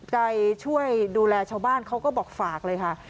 ใจช่วยดูแลชาวบ้านเขาก็บอกฝากเลยค่ะ